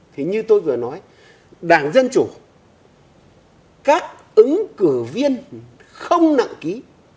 thì như tôi vừa nói đảng dân chủ các ứng cử viên không nặng ký